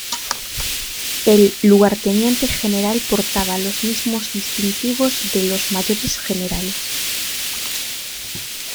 El lugarteniente general portaba los mismos distintivos de los mayores generales.